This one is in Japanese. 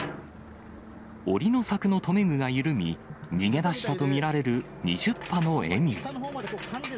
おりの柵の留め具が緩み、逃げ出したと見られる２０羽のエミュー。